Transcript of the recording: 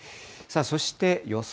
そして予想